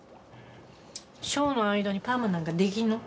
ショーの間にパーマなんかできんの？